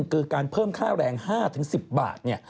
คือการเพิ่มค่าแรง๕๑๐บาท